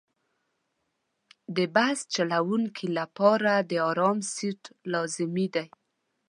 د بس چلوونکي لپاره د آرام سیټ لازمي دی.